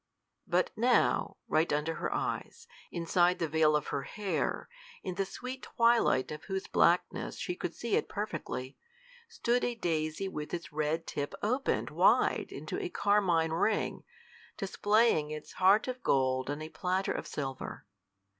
But now, right under her eyes, inside the veil of her hair, in the sweet twilight of whose blackness she could see it perfectly, stood a daisy with its red tip opened wide into a carmine ring, displaying its heart of gold on a platter of silver.